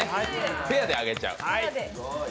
ペアであげちゃう。